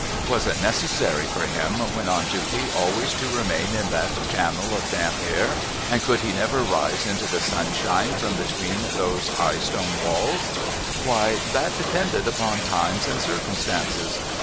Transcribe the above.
Was it necessary for him when on duty always to remain in that channel of damp air, and could he never rise into the sunshine from between those high stone walls ? ^Vhy, that depended upon times and circumstances.